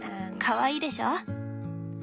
かわいいでしょ？